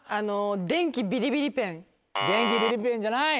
電気ビリビリペンじゃない！